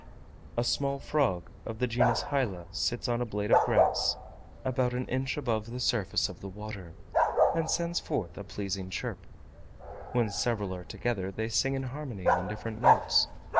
A small frog, of the genus Hyla, sits on a blade of grass about an inch above the surface of the water, and sends forth a pleasing chirp: when several are together they sing in harmony on different notes.